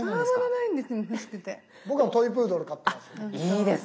僕はトイプードル飼ってます。